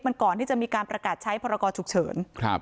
มันก่อนที่จะมีการประกาศใช้พรกรฉุกเฉินครับ